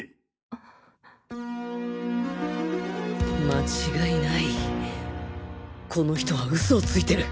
間違いないこの人は嘘をついてる